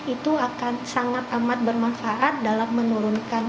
itu akan sangat amat bermanfaat dalam menurunkan